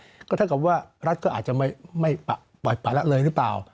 เพราะแบบนั้นก็เท่ากับว่ารัฐก็อาจจะไม่ปล่อยปรักษณ์เลยหรือเปล่า